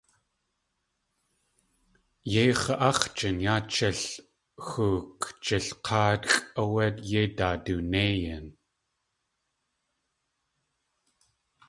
Yéi x̲a.áx̲jin yáa chíl xook Jilk̲áatxʼ áwé yéi daadunéiyin.